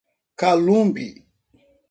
Calumbi